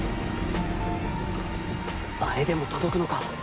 あれでも届くのか